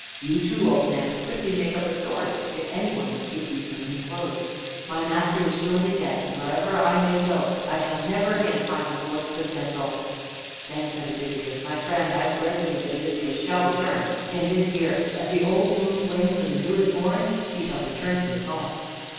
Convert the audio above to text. You, too, old man, would quickly make up a story if any one would give thee some new clothes. My master is surely dead, and wherever I may go I shall never again find a lord so gentle." Then said Odysseus: "My friend, I swear to thee that Odysseus shall return. In this year, as the old moon wanes and the new is born, he shall return to his home."